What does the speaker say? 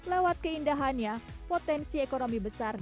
lewat keindahannya potensi ekonomi besar